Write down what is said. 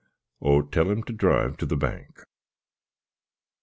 "Oh, tell him to drive to the Bank."